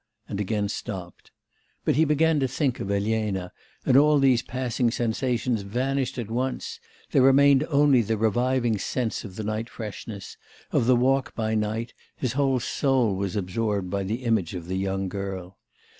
and again stopped. But he began to think of Elena, and all these passing sensations vanished at once; there remained only the reviving sense of the night freshness, of the walk by night; his whole soul was absorbed by the image of the young girl.